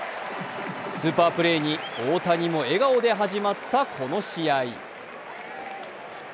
スーパープレーに大谷も笑顔で始まったこの試合。